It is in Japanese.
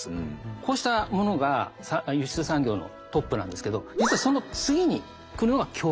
こうしたものが輸出産業のトップなんですけど実はその次に来るのが教育。